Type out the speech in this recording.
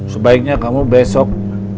sebaiknya kamu besok